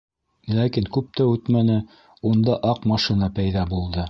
Ләкин күп тә үтмәне унда аҡ машина пәйҙә булды.